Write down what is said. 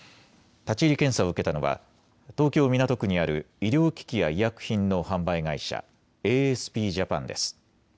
立ち入り検査を受けたのは東京港区にある医療機器や医薬品の販売会社、ＡＳＰＪａｐａｎです。